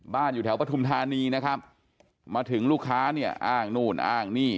อยู่แถวปฐุมธานีนะครับมาถึงลูกค้าเนี่ยอ้างนู่นอ้างนี่